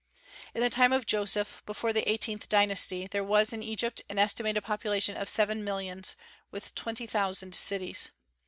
In the time of Joseph, before the eighteenth dynasty, there was in Egypt an estimated population of seven millions, with twenty thousand cities.